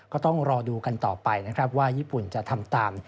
ก็ต้องรอดูกันต่อไปนะครับว่าญี่ปุ่นจะทำตาม